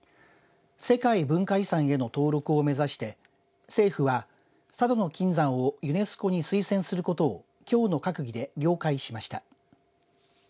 世界文化遺産への登録を目指して政府は、佐渡島の金山をユネスコに推薦することをきょうの閣議で了解しました。